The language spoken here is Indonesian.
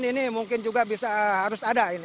bantuan ini mungkin juga harus ada